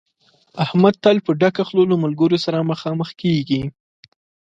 احمد تل په ډکه خوله له ملګرو سره مخامخ کېږي.